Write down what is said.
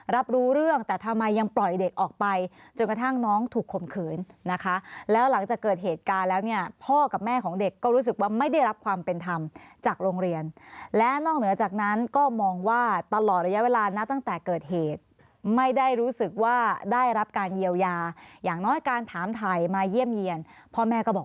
รับรู้เรื่องแต่ทำไมยังปล่อยเด็กออกไปจนกระทั่งน้องถูกข่มขืนนะคะแล้วหลังจากเกิดเหตุการณ์แล้วเนี่ยพ่อกับแม่ของเด็กก็รู้สึกว่าไม่ได้รับความเป็นธรรมจากโรงเรียนและนอกเหนือจากนั้นก็มองว่าตลอดระยะเวลานับตั้งแต่เกิดเหตุไม่ได้รู้สึกว่าได้รับการเยียวยาอย่างน้อยการถามไทยมาเยี่ยมเยี่ยนพ่อแม่ก็บอก